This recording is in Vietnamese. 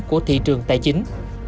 của thị trường tài chính